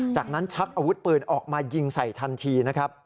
จากนั้นชักอาวุธปืนออกมายิงใส่ทันทีนะครับ